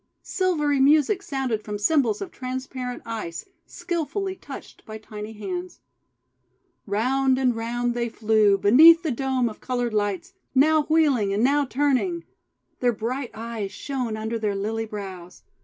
Silvery music sounded from cymbals of transparent Ice skilfully touched by tiny hands. Round and round they flew beneath the dome GARDEN OF FROST FLOWERS 309 of coloured lights, now wheeling and now turning. Their bright eyes shone under their lily brows.